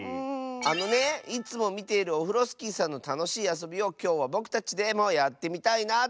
あのねいつもみているオフロスキーさんのたのしいあそびをきょうはぼくたちでもやってみたいなあとおもって。